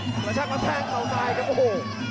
แล้วชักก็แทงเขาซ้ายครับโอ้โห